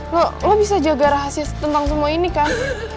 lo bisa jaga rahasia tentang semua ini kan